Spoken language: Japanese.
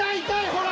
ほら！